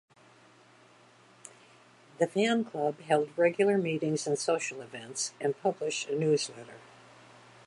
The fan club held regular meetings and social events and published a newsletter.